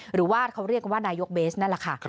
หรือว่าเขาเรียกกันว่านายกเบสนั่นแหละค่ะ